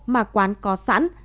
mà quán có sẵn